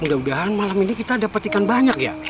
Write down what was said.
mudah mudahan malam ini kita dapat ikan banyak ya